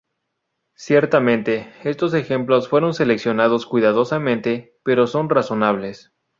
Ciertamente, estos ejemplos fueron seleccionados cuidadosamente, pero son razonables.